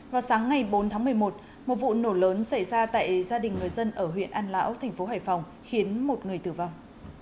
vào sáng ngày bốn tháng một mươi một một vụ nổ lớn xảy ra tại gia đình người dân ở huyện an lão thành phố hải phòng khiến một người tử vong